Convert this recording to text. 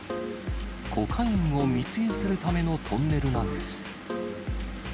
コカインを密輸するためのトンネルなんです。